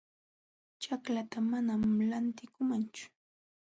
Ćhaklaata manam lantikuumanchu